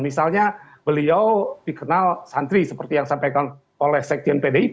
misalnya beliau dikenal santri seperti yang disampaikan oleh sekjen pdip